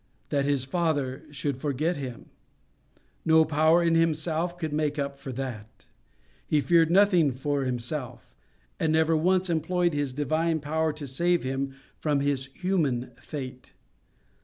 That His Father should forget Him!—no power in Himself could make up for that. He feared nothing for Himself; and never once employed His divine power to save Him from His human fate.